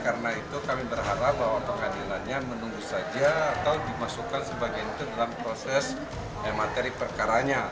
karena itu kami berharap bahwa pengadilannya menunggu saja atau dimasukkan sebagainya itu dalam proses materi perkaranya